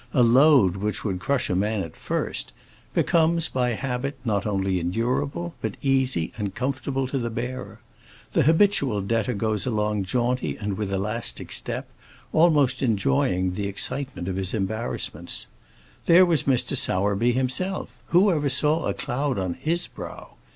A load which would crush a man at first becomes, by habit, not only endurable, but easy and comfortable to the bearer. The habitual debtor goes along jaunty and with elastic step, almost enjoying the excitement of his embarrassments. There was Mr. Sowerby himself; who ever saw a cloud on his brow?